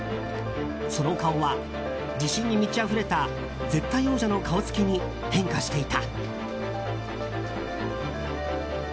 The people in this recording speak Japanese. その顔は自信に満ちあふれた絶対王者の顔つきに変化していた。